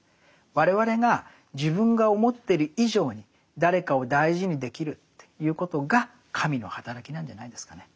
我々が自分が思ってる以上に誰かを大事にできるということが神のはたらきなんじゃないですかね。